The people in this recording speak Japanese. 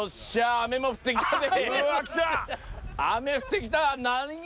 雨降ってきた何や？